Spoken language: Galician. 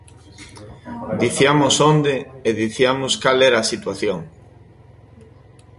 Diciamos onde e diciamos cal era a situación.